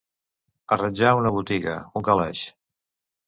Arranjar una botiga, un calaix.